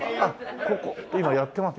ここ今やってます？